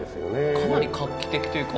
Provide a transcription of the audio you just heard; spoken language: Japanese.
かなり画期的というか。